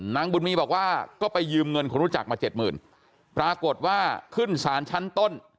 นางบุญมีบอกว่าก็ไปยืมเงินคนรู้จักมาเจ็ดหมื่นปรากฏว่าขึ้นสารชั้นต้น